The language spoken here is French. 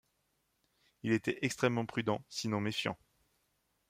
Il était extrêmement prudent, sinon méfiant.